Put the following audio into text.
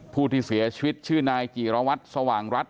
ผู้ที่เสียชีวิตชื่อนายจีรวัตรสว่างรัฐ